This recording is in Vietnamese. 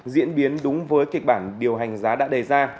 diễn biến đúng với kịch bản điều hành giá đã đề ra